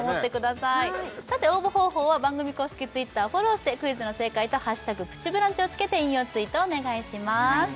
さて応募方法は番組公式Ｔｗｉｔｔｅｒをフォローしてクイズの正解と「＃プチブランチ」をつけて引用ツイートをお願いします